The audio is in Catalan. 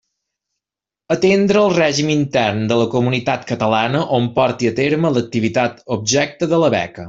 Atendre el règim intern de la comunitat catalana on porti a terme l'activitat objecte de la beca.